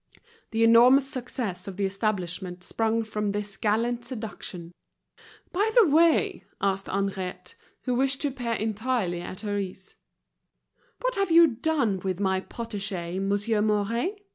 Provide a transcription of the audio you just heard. The enormous success of the establishment sprung from this gallant seduction. "By the way," asked Henriette, who wished to appear entirely at her ease, "what have you done with, my protégé, Monsieur Mouret?